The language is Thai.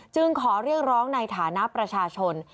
ขอเรียกร้องในฐานะประชาชน